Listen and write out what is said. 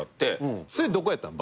それどこやったん？